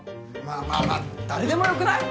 まあまあ誰でもよくない？